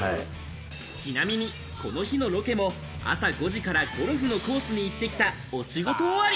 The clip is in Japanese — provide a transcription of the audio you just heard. ちなみに、この日のロケも朝５時からゴルフのコースに行ってきたお仕事終わり。